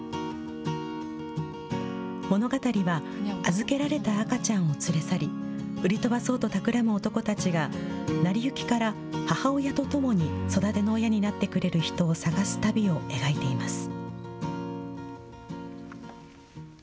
物語は、預けられた赤ちゃんを連れ去り、売り飛ばそうと企む男たちが、成り行きから母親と共に育ての親になってくれる人を探す旅を描いています。